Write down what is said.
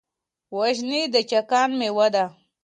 وژنې د قاچاق مېوه ده.